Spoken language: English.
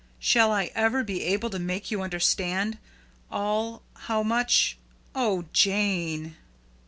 Shall I ever be able to make you understand all how much Oh, JANE!"